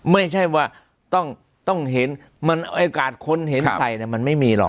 ไม่ใช่ว่าต้องเห็นมันอร่อยกาศคนเห็นใส่เนี่ยมันไม่มีหรอก